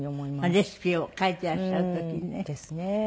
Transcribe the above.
レシピを書いていらっしゃる時ね。ですね。